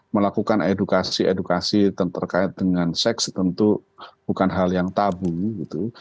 melakukan edukasi edukasi terkait dengan seks tentu bukan hal yang tabu gitu